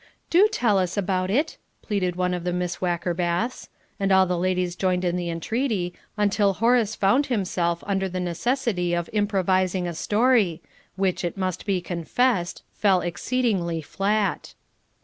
"Do tell us all about it," pleaded one of the Miss Wackerbaths, and all the ladies joined in the entreaty until Horace found himself under the necessity of improvising a story, which, it must be confessed, fell exceedingly flat.